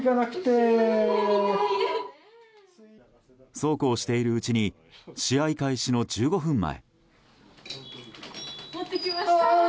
そうこうしているうちに試合開始の１５分前。